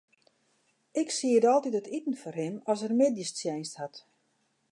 Ik sied altyd it iten foar him as er middeistsjinst hat.